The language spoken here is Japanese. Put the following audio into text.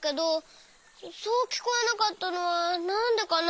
そうきこえなかったのはなんでかな？